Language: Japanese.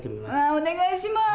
お願いします！